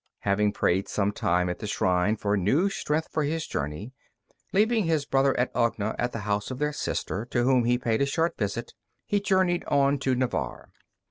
Having prayed some time at the shrine for new strength for his journey, leaving his brother at Ogna at the house of their sister, to whom he paid a short visit, he journeyed on to Navarre.